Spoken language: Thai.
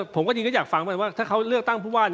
ผมก็จริงก็อยากฟังไปว่าถ้าเขาเลือกตั้งผู้ว่า